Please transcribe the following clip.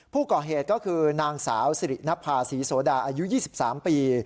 ผู้ก่อเหตุก็คือนางสาวสิรินภาษีโสดาอายุ๒๓ปี